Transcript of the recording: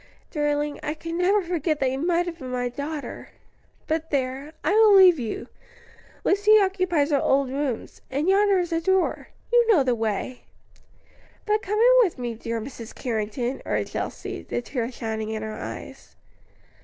"Darling, I can never forget that you might have been my daughter. But there I will leave you. Lucy occupies her old rooms, and yonder is her door; you know the way." "But come in with me, dear Mrs. Carrington," urged Elsie, the tears shining in her eyes.